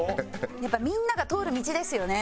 やっぱみんなが通る道ですよね。